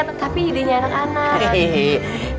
tapi idenya anak anak